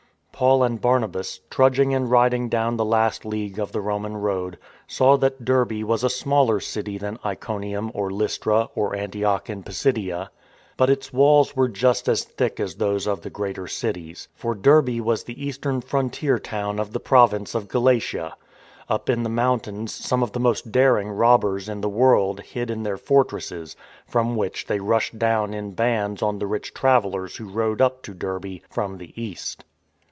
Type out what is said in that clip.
Paul and Barnabas, trudging and riding down the last league of the Roman road, saw that Derbe was a 150 THE FORWARD TREAD smaller city than Iconium or Lystra or Antioch in Pisidia. But its walls were just as thick as Jl ose of the greater cities. For Derbe was the eastern f r )ntier town of the province of Galatia. Up in the mo .ntains some of the most daring robbers in the wo; ld hid in their fortresses, from which they rushed down in bands on the rich travellers who rode up to Derbe from the east.